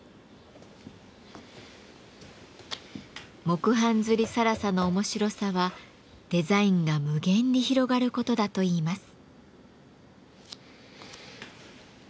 木版摺更紗の面白さはデザインが無限に広がることだといいます。